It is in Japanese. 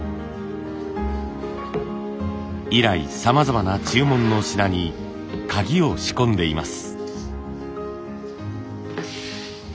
以来さまざまな注文の品に鍵を仕込んでいます。